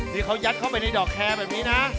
ที่เขายัดเข้าไปในดอกแคร์แบบนี้นะ